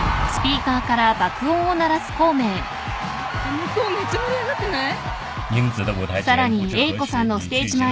向こうめっちゃ盛り上がってない？